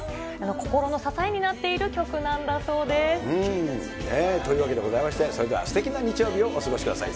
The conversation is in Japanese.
心の支えになっている曲なんだそというわけでございまして、それではすてきな日曜日をお過ごしください。